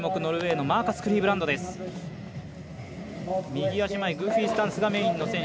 ノルウェーのマーカス・クリーブランド。